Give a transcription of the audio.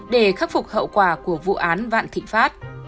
để khắc phục hậu quả của vụ án vạn thịnh pháp